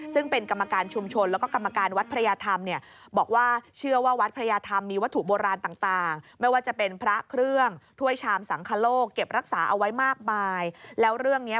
ซึ่งเป็นกรรมการชุมชนแล้วก็กรรมการวัดพระยาธรรมเนี่ย